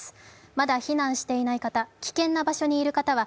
まだ避難していない方、危険な場所にいる方は